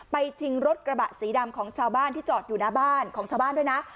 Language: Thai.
ชิงรถกระบะสีดำของชาวบ้านที่จอดอยู่หน้าบ้านของชาวบ้านด้วยนะ